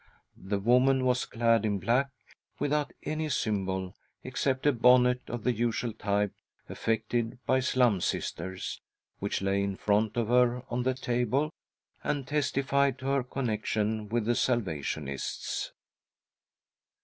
The woman was clad in black, without any symbol except a bonnet of the usual type affected by Slum Sisters, which lay in front of her on the table and testified to her connection with the Salvationists.